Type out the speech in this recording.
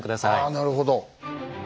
あなるほど。